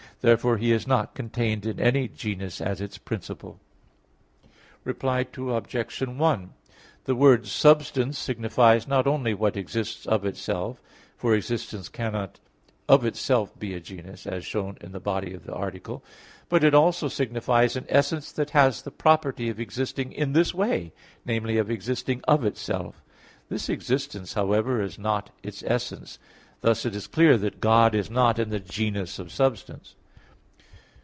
Therefore He is not contained in any genus as its principle. Reply Obj. 1: The word substance signifies not only what exists of itself for existence cannot of itself be a genus, as shown in the body of the article; but, it also signifies an essence that has the property of existing in this way namely, of existing of itself; this existence, however, is not its essence. Thus it is clear that God is not in the genus of substance.